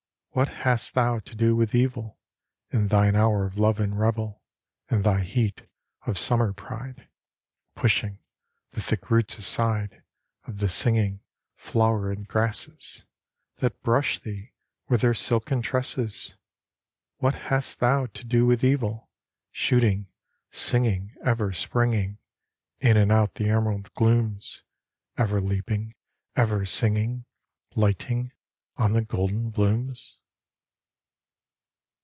What hast thou to do with evil In thine hour of love and revel, In thy heat of summerpride, Pushing the thick roots aside Of the singing flowerèd grasses, That brush thee with their silken tresses? What hast thou to do with evil, Shooting, singing, ever springing In and out the emerald glooms, Ever leaping, ever singing, Lighting on the golden blooms?